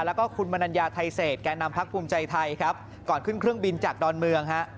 แล้วก็คุณมนัญญาไทยเศษแก่นำพักภูมิใจไทยครับก่อนขึ้นเครื่องบินจากดอนเมืองฮะ